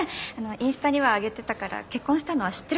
インスタには上げてたから結婚したのは知ってるかと思ってた。